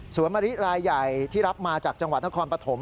มะริรายใหญ่ที่รับมาจากจังหวัดนครปฐม